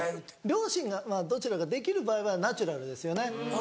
両親がどちらかできる場合はナチュラルですよね。